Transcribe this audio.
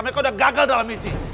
mereka udah gagal dalam misi